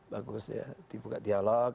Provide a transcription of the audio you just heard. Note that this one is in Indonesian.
bagus dibuka dialog